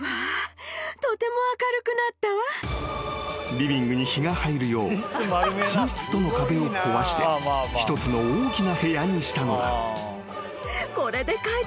［リビングに日が入るよう寝室との壁を壊して一つの大きな部屋にしたのだ］